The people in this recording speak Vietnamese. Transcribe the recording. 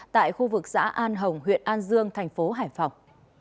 tại khu vực xã an hồng huyện an dương thành phố hải phòng